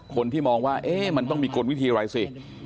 คนที่มองว่ามันต้องมีกลวิธีอะไรสิ